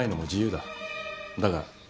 だが。